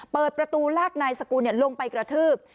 เปิดประตูลากนายสกุลลงไปกระทืบ